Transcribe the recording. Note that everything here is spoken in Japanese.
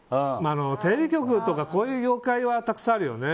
テレビ局とかこういう業界はたくさんあるよね。